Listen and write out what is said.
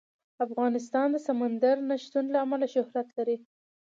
افغانستان د سمندر نه شتون له امله شهرت لري.